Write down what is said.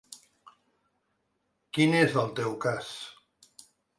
Quin és el teu cas?